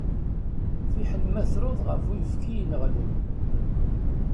Fiḥel ma truḍ ɣef uyefki ineɣlen.